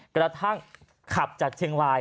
กระทั่งขับจากเชียงราย